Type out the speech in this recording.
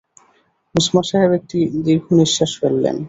ওসমান সাহেব একটি দীর্ঘনিঃশ্বাস ফেললেন।